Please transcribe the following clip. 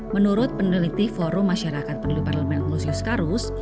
menurut peneliti forum masyarakat penduduk parlemen kulus yuskara